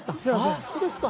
ああそうですか。